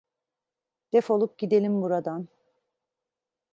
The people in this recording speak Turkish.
Defolup gidelim buradan.